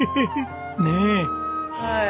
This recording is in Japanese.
ねえ。